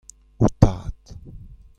ho tad.